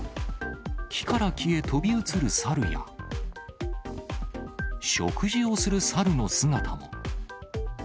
木から木へ飛び移るサルや、食事をするサルの姿も。